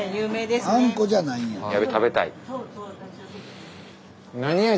スタジオあんこじゃないんや。